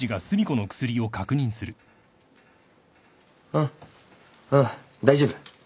うんうん大丈夫。